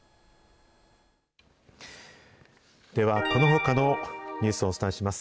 では、このほかのニュースをお伝えします。